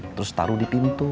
terus taruh di pintu